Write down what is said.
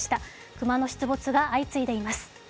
熊の出没が相次いでいます。